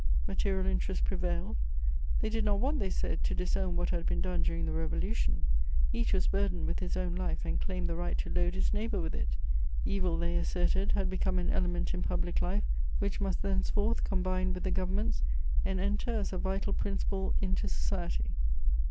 Material interests prevailed: they did not want, they said, to disown what had been done during the Revolution; each was burdened with his own life and claimed the right to load his neighbour with it: evil, they asserted, had become an element in public life which must thenceforth combine with the governments and enter as a vital principle into society.